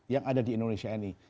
yang ada di indonesia ini